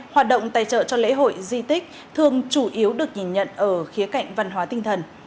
hoạt động tài trợ cho lễ hội di tích thường chủ yếu được nhìn nhận ở khía cạnh văn hóa tinh thần